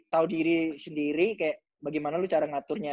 tahu diri sendiri kayak bagaimana lu cara ngaturnya